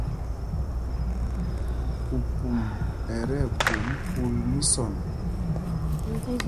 Pupum ɛ tí ɛɓwôm kúl mísɔn.